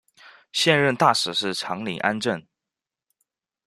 现任大使是长岭安政。